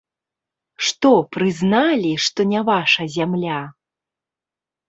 Што, прызналі, што не ваша зямля?